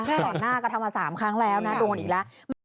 ใช่ต่อหน้าก็ทำมาสามครั้งแล้วน่ะโดนอีกแล้ว